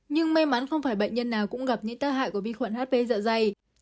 nhưng may mắn không phải bệnh nhân nào cũng gặp những tác hại của vi khuẩn hv dạ dày